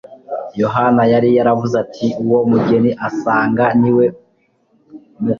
Yohana yari yaravuze ati : "Uwo umugeni asanga ni we mukwe,